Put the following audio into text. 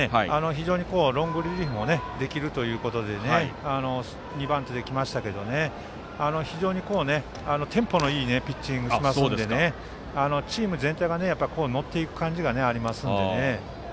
ロングリリーフもできるということで２番手ですが非常にテンポのいいピッチングをしますのでチーム全体が乗っていく感じがありますのでね。